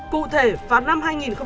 cụ thể vào năm hai nghìn một mươi bốn